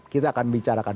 kita akan bicarakan